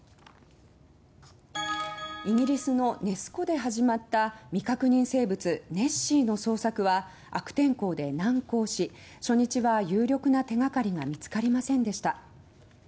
イギリスのネス湖で始まった未確認生物ネッシーの捜索は悪天候で難航し初日は有力な手がかりが見つかりませんでした。